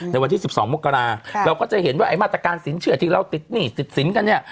ในวันที่๑๒มกราเราก็จะเห็นว่าไอ้มาตรการสินเชื่อที่เราติดหนี้ติดสินกันเนี่ย